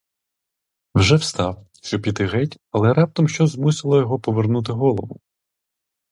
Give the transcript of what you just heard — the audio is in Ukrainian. Вже встав, щоби піти геть, але раптом щось змусило його повернути голову.